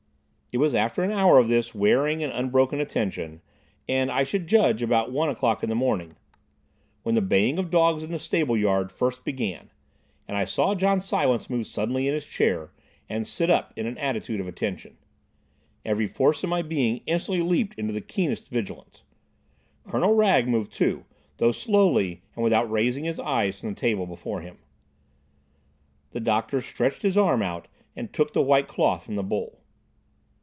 It was after an hour of this wearing and unbroken attention, and I should judge about one o'clock in the morning, when the baying of the dogs in the stableyard first began, and I saw John Silence move suddenly in his chair and sit up in an attitude of attention. Every force in my being instantly leaped into the keenest vigilance. Colonel Wragge moved too, though slowly, and without raising his eyes from the table before him. The doctor stretched his arm out and took the white cloth from the bowl.